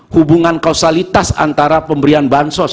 hubungan kausalitas antara pemberian bansos